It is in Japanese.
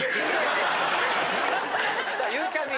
さあゆうちゃみ